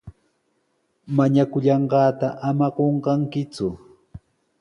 Mañakullanqaata ama qunqakiku.